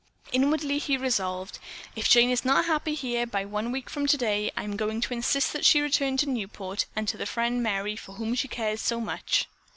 Inwardly he resolved: "If Jane is not happy here by one week from today, I am going to insist that she return to Newport and to the friend Merry for whom she cares so much."